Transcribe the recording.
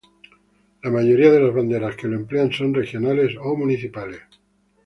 La mayoría de las banderas que lo emplean son regionales o municipales.